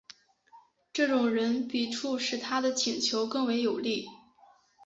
这种个人笔触使他的请求更为有力。